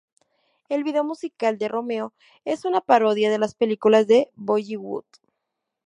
El vídeo musical de "Romeo" es una parodia de las películas de Bollywood.